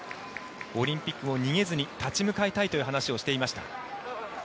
オリンピックも逃げずに立ち向かいたいという話をしていました。